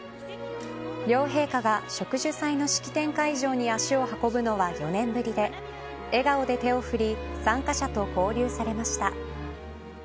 両陛下が植樹祭の式典会場に足を運ぶのは４年ぶりで笑顔で手を振り参加者と交流されました。